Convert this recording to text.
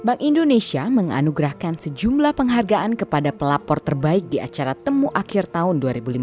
bank indonesia menganugerahkan sejumlah penghargaan kepada pelapor terbaik di acara temu akhir tahun dua ribu lima belas